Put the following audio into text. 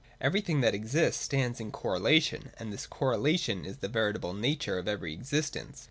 Everything that exists stands in correlation, and this correlation is the veritable nature of every existence.